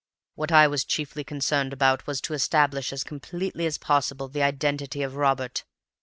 What I was chiefly concerned about was to establish as completely as possible the identity of Robert.